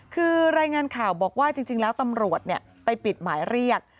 คือรายงานข่าวบอกว่าจริงแล้วตำรวจไปปิดหมายเรียก